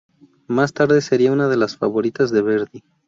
Más tarde sería una de las favoritas de Verdi.